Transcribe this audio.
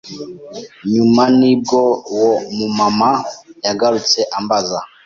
Nyuma nibwo uwo mumama yagarutse ambaza